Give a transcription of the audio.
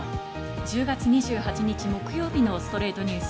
１０月２８日、木曜日の『ストレイトニュース』。